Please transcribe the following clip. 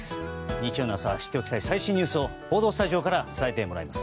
日曜の朝知っておきたい最新ニュースを報道スタジオから伝えてもらいます。